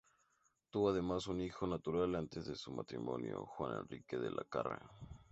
Tuvo además un hijo natural antes de su matrimonio, Juan Enríquez de Lacarra.